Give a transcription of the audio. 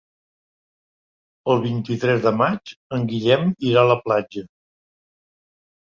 El vint-i-tres de maig en Guillem irà a la platja.